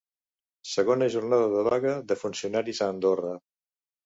Segona jornada de vaga de funcionaris a Andorra.